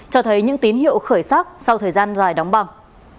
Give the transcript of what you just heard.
cho thấy những tín hiệu khởi sắc sau thời gian dài đóng băng